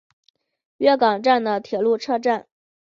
月冈站的铁路车站。